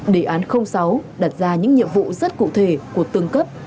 đề án sáu đặt ra những nhiệm vụ rất cụ thể của từng cấp